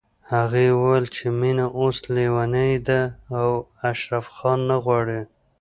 هغې ويل چې مينه اوس ليونۍ ده او اشرف خان نه غواړي